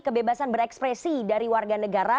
kebebasan berekspresi dari warga negara